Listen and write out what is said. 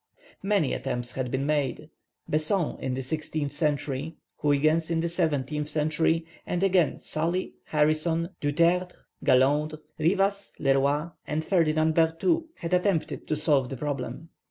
Many attempts had been made. Besson in the sixteenth century, Huyghens in the seventeenth century, and again Sully, Harrison, Dutertre, Gallonde, Rivas, Le Roy, and Ferdinand Berthoud had attempted to solve the problem.